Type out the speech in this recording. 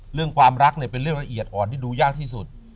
เรื่องความรักเนี่ยเป็นเรื่องละเอียดอ่อนที่ดูยากที่สุด